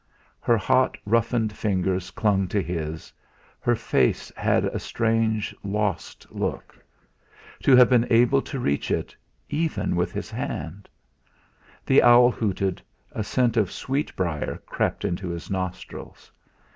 Her hot, roughened fingers clung to his; her face had a strange, lost look. To have been able to reach it even with his hand! The owl hooted, a scent of sweetbriar crept into his nostrils.